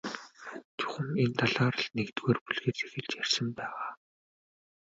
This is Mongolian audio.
Чухам энэ талаар л нэгдүгээр бүлгээс эхэлж ярьсан байгаа.